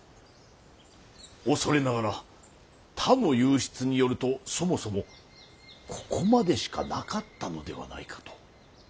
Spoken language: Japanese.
恐れながら他の右筆によるとそもそもここまでしかなかったのではないかと。